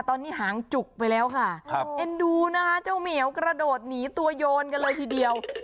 ตอนนี้หางจุกไปแล้วค่ะครับเอ็นดูนะคะเจ้าเหมียวกระโดดหนีตัวโยนกันเลยทีเดียว